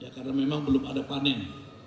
karena memang belum ada panen